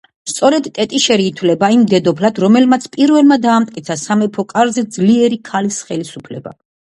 სწორედ ტეტიშერი ითვლება იმ დედოფლად რომელმაც პირველმა დაამტკიცა სამეფო კარზე ძლიერი ქალის ხელისუფლება.